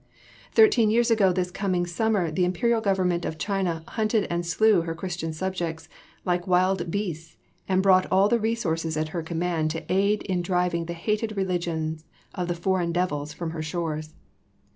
Thirteen years ago this coming summer the Imperial Government of China hunted and slew her Christian subjects like wild beasts and brought all of the resources at her command to aid in driving the hated religions of the "foreign devils" from her shores.